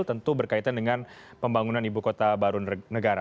tentu berkaitan dengan pembangunan ibu kota baru negara